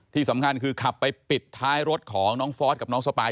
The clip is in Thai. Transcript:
ที่สำคัญคือขับไปปิดท้ายรถของน้องฟอสกับน้องสปาย